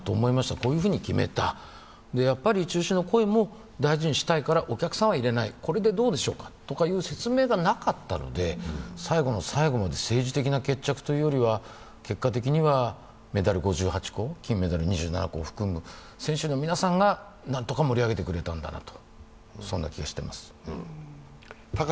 こういうふうに決めた、やっぱり中止の声も大事にしたいからお客さんは入れない、これでどうでしょうかという説明がなかったので、最後の最後まで政治的な決着というよりは、結果的にはメダル５８個、金メダル２７個を含む、選手の皆さんがなんとか盛り上げてくれたんだなという気がしています。